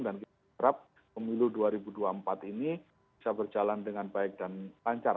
dan kita harap pemilu dua ribu dua puluh empat ini bisa berjalan dengan baik dan lancar